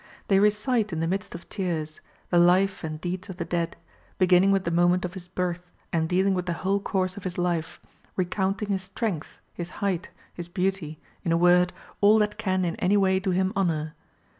They recite in the midst of tears, the life and deeds of the dead, beginning with the moment of his birth, and dealing with the whole course of his life, recounting his strength, his height, his beauty, in a word, all that can in any way do him honour.